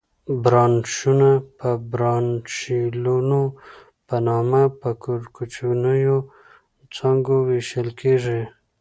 برانشونه په برانشیولونو په نامه پر کوچنیو څانګو وېشل کېږي.